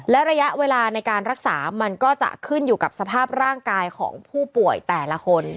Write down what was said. และระยะเวลาในการรักษามันก็จะขึ้นอยู่กับสภาพร่างกายของผู้ป่วยแต่ละคน